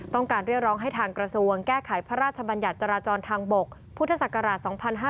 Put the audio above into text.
ต้องการเรียกร้องให้ทางกระทรวงแก้ไขพระราชบัญญัติจราจรทางบกพุทธศักราช๒๕๕๙